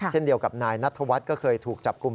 เช่นเดียวกับนายนัทธวัฒน์ก็เคยถูกจับกลุ่ม